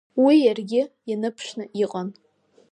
Уи иаргьы ианыԥшны иҟан.